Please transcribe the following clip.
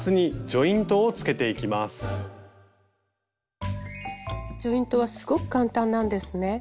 ジョイントはすごく簡単なんですね。